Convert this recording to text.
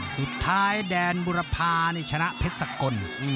สุดท้ายแดนบุรพานี่ชนะเพชรสกล